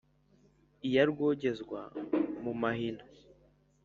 Iya Rwogezwa-mu-mahina